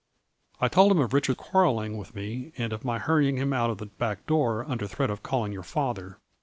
I told him of Richard quarreling with me, and of my hurry ing him out of the back door under threat of calling your father.